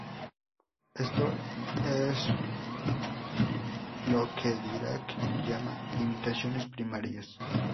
Esto es lo que Dirac llama "limitaciones primarias".